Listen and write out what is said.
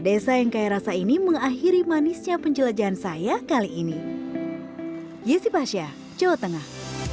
desa yang kaya rasa ini mengakhiri manisnya penjelajahan saya kali ini yesi pasha jawa tengah